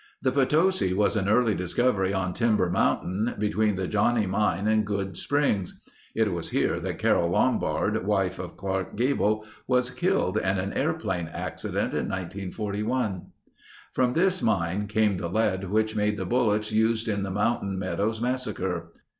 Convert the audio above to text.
The Potosi was an early discovery on Timber Mountain between the Johnnie Mine and Good Springs. (It was here that Carole Lombard, wife of Clark Gable, was killed in an airplane accident in 1941.) From this mine came the lead which made the bullets used in the Mountain Meadows massacre.